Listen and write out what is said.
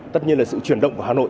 tất nhiên là sự chuyển động của hà nội